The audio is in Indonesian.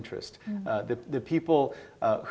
kepentingan yang diperlukan